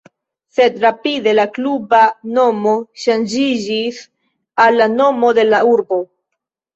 Sed rapide la kluba nomo ŝanĝiĝis al la nomo de la urbo.